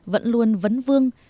vẫn luôn vấn vương